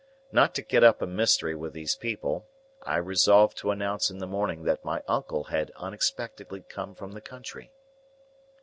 Not to get up a mystery with these people, I resolved to announce in the morning that my uncle had unexpectedly come from the country.